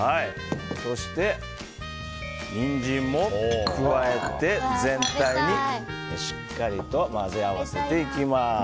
そして、ニンジンも加えて全体にしっかりと混ぜ合わせていきます。